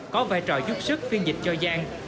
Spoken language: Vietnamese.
có vai trò giúp sức phiên dịch cho giang